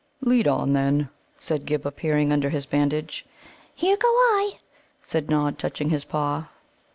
"Lead on, then," said Ghibba, peering under his bandage. "Here go I," said Nod, touching his paw.